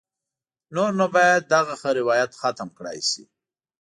نور نو باید دغه روایت ختم کړای شي.